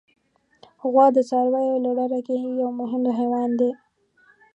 غوا د څارویو له ډله کې یو مهم حیوان دی.